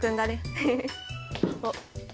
おっ。